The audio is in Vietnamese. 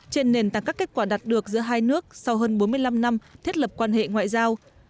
trên nền tảng các kết quả đạt được giữa hai nước sau hơn bốn mươi năm năm thiết lập quan hệ ngoại giao